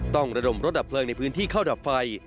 ระดมรถดับเพลิงในพื้นที่เข้าดับไฟ